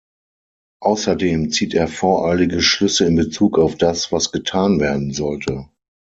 Außerdem zieht er voreilige Schlüsse in Bezug auf das, was getan werden sollte.